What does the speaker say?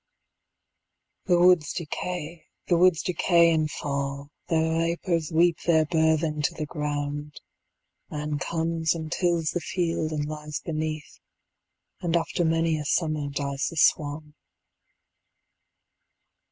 The woods decay, the woods decay and fall, The vapors weep their burthen to the ground, Man comes and tills the field and lies beneath, And after many a summer dies the swan.